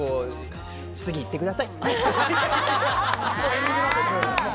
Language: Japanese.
次、行ってください。